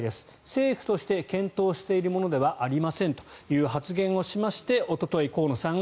政府として検討しているものではありませんという発言をしましておととい、河野さん